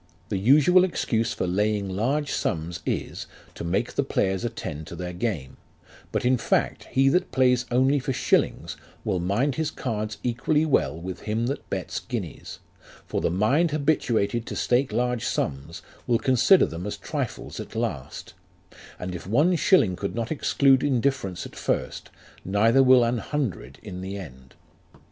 The usual excuse for laying large sums is, to make the players attend to their game ; but, in fact, he that plays only for shillings, will mind his cards equally well with him that bets guineas; for the mind habituated to stake large sums, will consider them as trifles at last ; and if one shilling could not exclude indifference at first, neither will an hundred in the end.